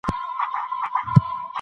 خو دې زما د مرګ د اوازې پر بنسټ